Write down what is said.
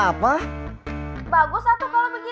bagus atuh kalau begitu